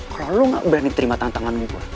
kalau lu gak berani terima tantangan gue